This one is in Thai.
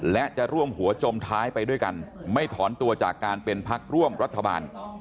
และจะร่วมหัวจมท้ายไปด้วยกันไม่ถอนตัวจากการเป็นพักร่วมรัฐบาล